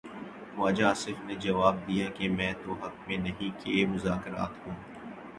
خواجہ آصف نے جواب دیا کہ میں تو حق میں نہیں کہ مذاکرات ہوں۔